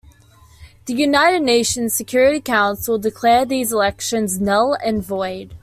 The United Nations Security Council declared these elections "null and void".